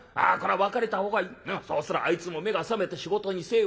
そうすりゃあいつも目が覚めて仕事に精を出す。